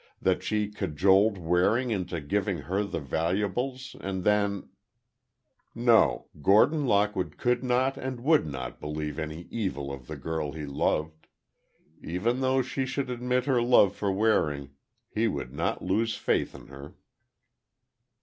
That she cajoled Waring into giving her the valuables, and then— No, Gordon Lockwood could not and would not believe any evil of the girl he loved. Even though she should admit her love for Waring, he would not lose faith in her.